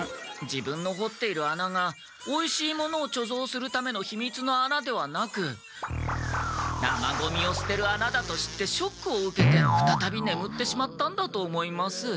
自分の掘っている穴がおいしいものをちょぞうするためのひみつの穴ではなく生ゴミをすてる穴だと知ってショックを受けてふたたびねむってしまったんだと思います。